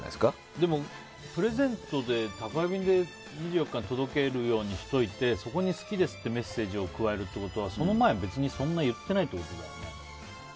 でも、プレゼントで宅配便で２４日に届けるようにしてそこに好きですってメッセージを加えるってことはその前、別にそんなに言ってないってことだよね。